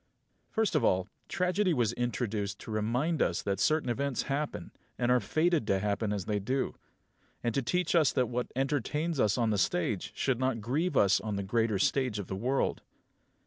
6. First of all, tragedy was introduced to remind us that certain events happen, and are fated to happen as they do; and to teach us that what entertains us on the stage should not grieve us on the greater stage of the world.